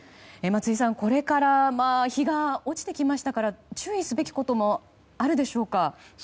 松井さん、これから日が落ちてきましたから注意すべきこともあるでしょうか？